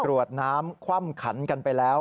วดน้ำคว่ำขันกันไปแล้ว